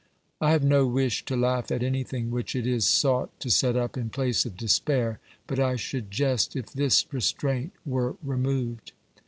I have no wish to laugh at anything which it is sought to set up in place of despair, but I should jest if this restraint were removed.